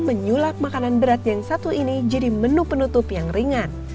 menyulap makanan berat yang satu ini jadi menu penutup yang ringan